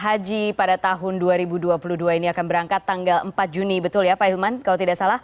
haji pada tahun dua ribu dua puluh dua ini akan berangkat tanggal empat juni betul ya pak hilman kalau tidak salah